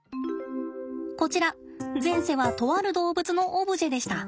こちら前世はとある動物のオブジェでした。